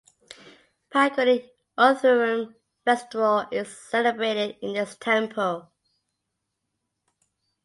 Panguni Uthiram festival is celebrated in this temple.